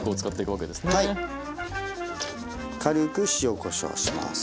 軽く塩・こしょうします。